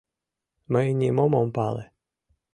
Мый нимом ом пале.